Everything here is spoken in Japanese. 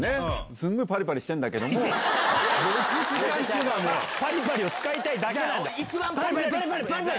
すんごいパリパリしてるんだけども、パリパリを使いたいだけなんだ。